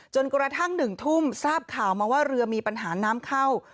จนกระทั่ง๑ทุ่มทราบข่าวมาว่าเรือมีปัญหาน้ำเข้า